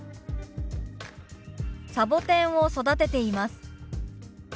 「サボテンを育てています」。